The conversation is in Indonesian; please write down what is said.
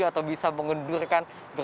atau bisa mengundurkan